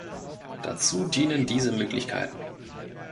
Dazu dienen diese Möglichkeiten.